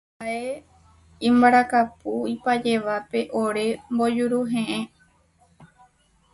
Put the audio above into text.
Haʼe imbarakapu ipajévape ore mbojuruheʼẽ.